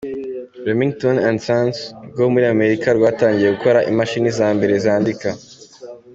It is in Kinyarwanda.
Remington and Sons rwo muri Amerika, rwatangiye gukora imashini za mbere zandika.